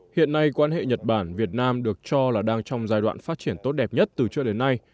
hiện nay quan hệ nhật bản việt nam được cho là đang trong giai đoạn phát triển tốt đẹp nhất từ trước đến nay